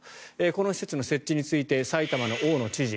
この施設の設置について埼玉の大野知事